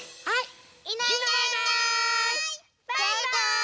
はい。